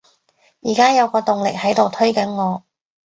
而家有個動力喺度推緊我